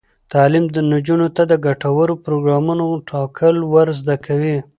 تعلیم نجونو ته د ګټورو پروګرامونو ټاکل ور زده کوي.